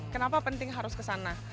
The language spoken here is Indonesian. kenapa penting harus ke sana